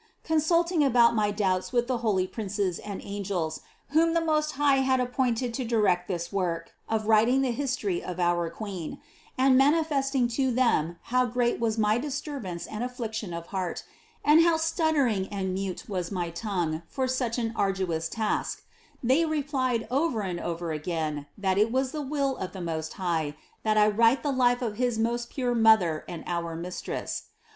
8. Consulting about my doubts with the holy princes and angels, whom the Most High had appointed to direct this work of writing the history of our Queen, and mani festing to them how great was my disturbance and afflic tion of heart and how stuttering and mute was my tongue for such an arduous task, they replied over and over again that it was the will of the Most High that I write the life of his most pure Mother and our Mistress.